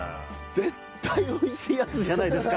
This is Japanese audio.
絶対美味しいやつじゃないですか。